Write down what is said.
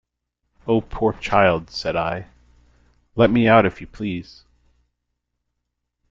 "Oh, poor child," said I; "let me out, if you please!"